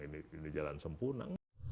ini jalan sempurna